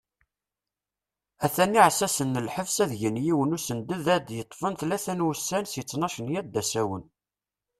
Atan iεessasen n lḥebs ad gen yiwen usunded ad yeṭṭfen tlata n wussan si ttnac n yiḍ d asawen.